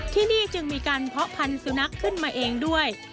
ที่นี่จึงมีการเพาะพันธุนักขึ้นมาเองด้วย